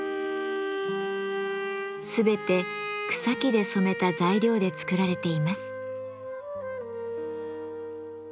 全て草木で染めた材料で作られています。